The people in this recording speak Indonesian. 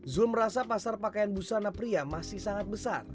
zul merasa pasar pakaian busana pria masih sangat besar